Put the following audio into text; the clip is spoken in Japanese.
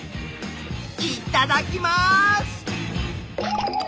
いただきます！